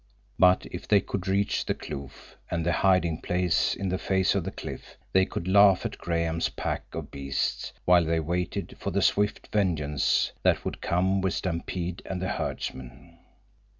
But if they could reach the kloof, and the hiding place in the face of the cliff, they could laugh at Graham's pack of beasts while they waited for the swift vengeance that would come with Stampede and the herdsmen.